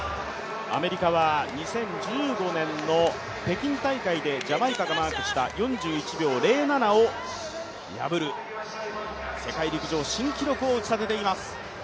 アメリカは２０１５年の北京大会でジャマイカがマークした４１秒０７を破る世界陸上新記録を打ち立てています。